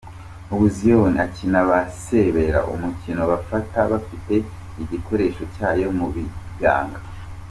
Ubu Zion akina basebal, umukino bafata bafite igikoresho cyayo mu biganga.